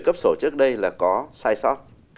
cấp sổ trước đây là có sai sót